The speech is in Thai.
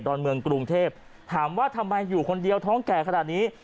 อนเมืองกรุงเทพถามว่าทำไมอยู่คนเดียวท้องแก่ขนาดนี้